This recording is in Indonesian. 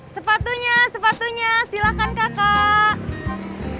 sepatunya sepatunya silahkan kakak